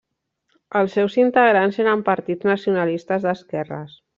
Els seus integrants eren partits nacionalistes d'esquerres.